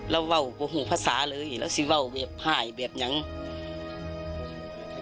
เราเว่าก็หูภาษาเลยเราสิเว่าวิบห้ายแบบนี้